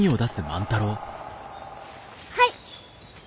はい！